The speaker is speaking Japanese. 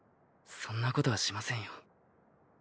そんなことはしませんよ。